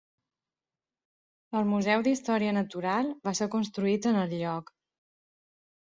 El Museu d'Història Natural, va ser construït en el lloc.